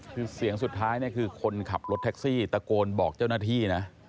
คือเสียงสุดท้ายเนี่ยคือคนขับรถแท็กซี่ตะโกนบอกเจ้าหน้าที่นะ